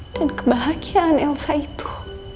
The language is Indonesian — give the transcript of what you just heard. dan kebahagiaan elsa itu